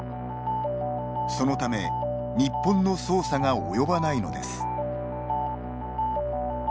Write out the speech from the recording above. そのため日本の捜査が及ばないのです。